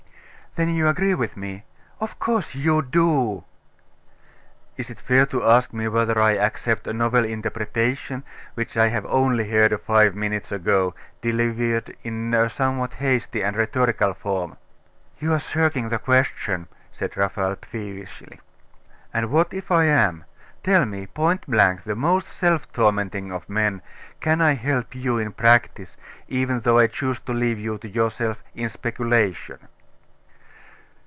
'Then you agree with me? Of course you do!' 'Is it fair to ask me whether I accept a novel interpretation, which I have only heard five minutes ago, delivered in a somewhat hasty and rhetorical form?' 'You are shirking the question,' said Raphael peevishly. 'And what if I am? Tell me, point blank, most self tormenting of men, can I help you in practice, even though I choose to leave you to yourself in speculation?